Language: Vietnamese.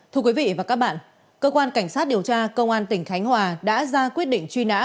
thưa quý vị và các bạn cơ quan cảnh sát điều tra công an tỉnh khánh hòa đã ra quyết định truy nã